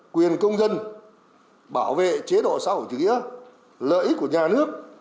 quyền công dân bảo vệ chế độ xã hội chủ nghĩa lợi ích của nhà nước